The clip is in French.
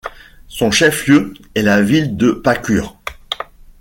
Son chef-lieu est la ville de Pakur.